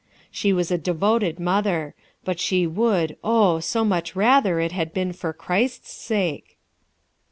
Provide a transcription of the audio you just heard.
She was a devoted mother ; but she would, oh, so much rather it had been for Christ's sake.